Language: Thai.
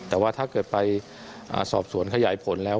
แต่ว่าถ้าเกิดไปสอบสวนขยายผลแล้ว